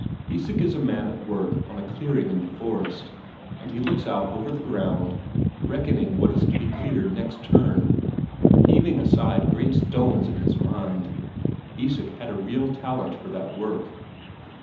Isak is a man at work on a clearing in the forest, and he looks out over the ground, reckoning what is to be cleared next turn; heaving aside great stones in his mind Isak had a real talent for that work.